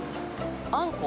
あんこ？